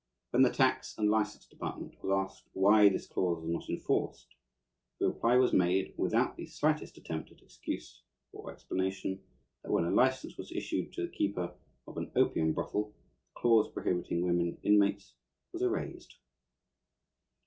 When the tax and license department was asked why this clause was not enforced, the reply was made, without the slightest attempt at excuse or explanation, that when a license was issued to the keeper of an "opium brothel" the clause prohibiting women inmates was erased.